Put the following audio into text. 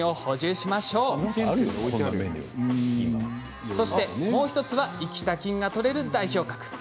そしてもう一つは生きた菌がとれる代表格！